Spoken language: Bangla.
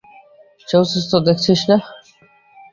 সে অসুস্থ দেখছিস না!